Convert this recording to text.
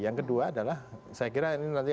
yang kedua adalah saya kira ini nanti